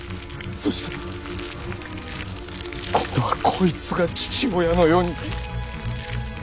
そして今度は「こいつ」が「父親」のように。